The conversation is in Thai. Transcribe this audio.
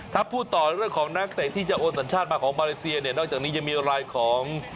ถ้าพูดต่อเรื่องของนักเตะที่จะโอนสัญชาติมาของมาเลเซียเนี่ยนอกจากนี้ยังมีรายของ